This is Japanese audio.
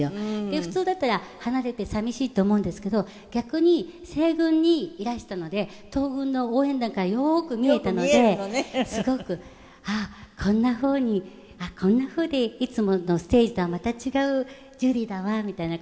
普通だったら離れて寂しいと思うんですけど逆に西軍にいらしたので東軍の応援団からよく見えたのですごくあっこんなふうにこんなふうにいつものステージとはまた違うジュリーだわみたいな感じで。